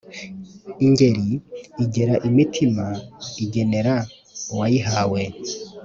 Ingeri igera imitima igenera uwayihawe